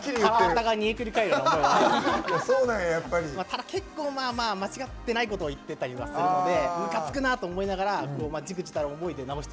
ただ結構間違ってないことを言ってたりはするのでむかつくなと思いながらじくじたる思いで直して。